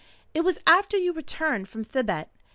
"It was after you returned from Thibet.